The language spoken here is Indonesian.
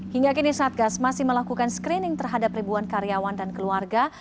hingga kini satgas masih melakukan screening terhadap ribuan karyawan dan keluarga